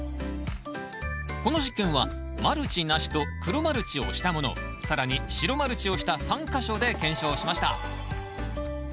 この実験はマルチなしと黒マルチをしたもの更に白マルチをした３か所で検証しました。